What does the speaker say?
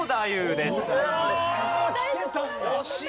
惜しい！